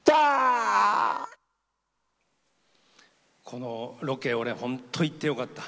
このロケ俺本当行ってよかった。